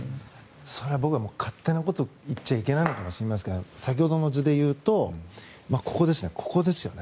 それは僕は勝手なことを言っちゃいけないのかもしれませんが先ほどの図でいうとここですよね。